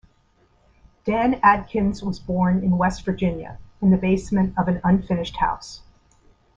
Dan Adkins was born in West Virginia, in the basement of an unfinished house.